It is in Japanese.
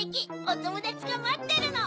おともだちがまってるの。